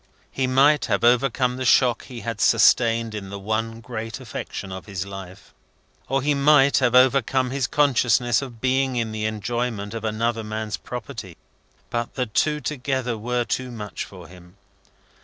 He might have overcome the shock he had sustained in the one great affection of his life, or he might have overcome his consciousness of being in the enjoyment of another man's property; but the two together were too much for him.